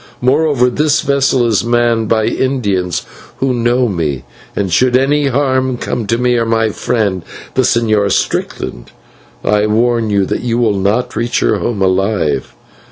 Moreover this vessel is manned by Indians who know me, and should any harm come to me or to my friend, the Señor Strickland, I warn you that you will not reach your home alive.